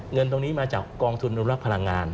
เงินตรงนี้มาจากกองทุนอนุรักษ์พลังงาน